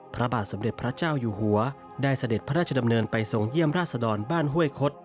พระบาทสมเด็จพระเจ้าอยู่หัวได้เสด็จพระราชดำเนินไปทรงเยี่ยมราชดรบ้านห้วยคด